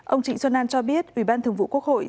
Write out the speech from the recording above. ông trịnh xuân an cho biết ủy ban thường vụ quốc hội